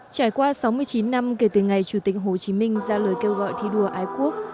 trải qua sáu mươi chín năm kể từ ngày chủ tịch hồ chí minh ra lời kêu gọi thi đua ái quốc